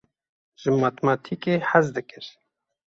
Ji matematîkê hez dikir.